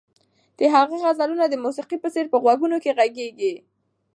د هغه غزلونه د موسیقۍ په څېر په غوږونو کې غږېږي.